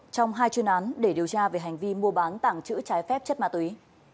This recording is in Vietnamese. trong hai chuyên án để điều tra về hành vi mua bán tảng chữ trái phép chất ma túy